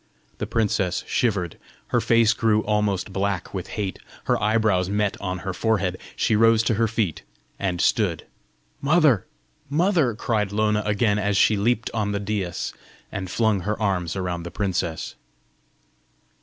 The princess shivered; her face grew almost black with hate, her eyebrows met on her forehead. She rose to her feet, and stood. "Mother! mother!" cried Lona again, as she leaped on the daïs, and flung her arms around the princess.